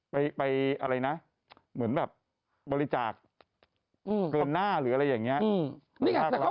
ก็ไปบริจาคเบอร์หน้าหรืออะไรอย่างเงี้ย